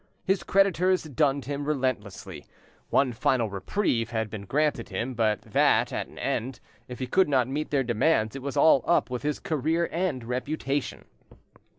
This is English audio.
His creditors dunned him relentlessly: one final reprieve had been granted him, but that at an end, if he could not meet their demands, it was all up with his career and reputation.